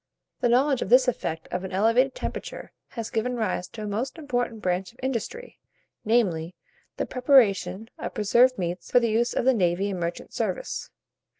The knowledge of this effect of an elevated temperature has given rise to a most important branch of industry, namely, the preparation of preserved meats for the use of the navy and merchant service.